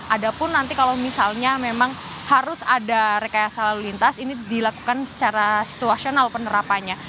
ada pun nanti kalau misalnya memang harus ada rekayasa lalu lintas ini dilakukan secara situasional penerapannya